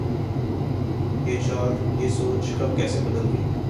یہ چال، یہ سوچ کب‘ کیسے بدلے گی؟